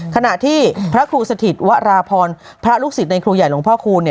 ขณะที่พระครูสถิตวราพรพระลูกศิษย์ในครูใหญ่หลวงพ่อคูณ